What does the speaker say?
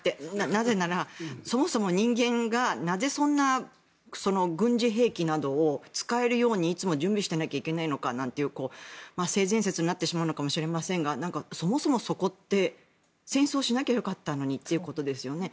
なぜなら、そもそも人間がなぜ、そんな軍事兵器などを使えるようにいつも準備してなきゃいけないのかなんていう性善説になってしまうのかもしれませんがそもそも、そこって戦争しなきゃよかったのにということですよね。